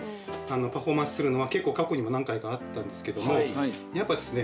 パフォーマンスするのは結構過去にも何回かあったんですけどもやっぱですね